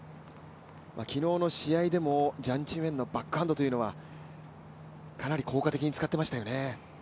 昨日の試合でもジャン・チンウェンのバックハンドというのは、かなり効果的に使っていましたよね。